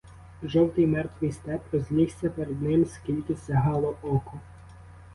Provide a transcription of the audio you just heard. Жовтий, мертвий степ розлігся перед ним скільки сягало око.